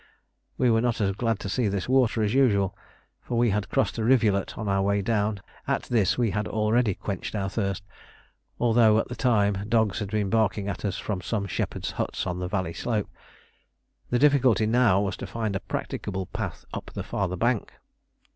We were not as glad to see this water as usual, for we had crossed a rivulet on our way down: at this we had already quenched our thirst, although at the time dogs had been barking at us from some shepherds' huts on the valley slope. The difficulty now was to find a practicable path up the farther bank.